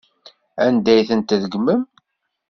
Anda ay ten-tregmem?